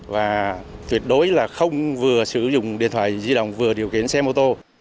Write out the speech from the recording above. và tuyệt đối là không vừa sử dụng điện thoại di động vừa điều khiển xe mô tô